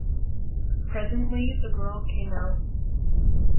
Presently the girl came out.